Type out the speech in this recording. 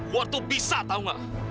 waktu bisa tau gak